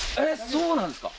そうなんですか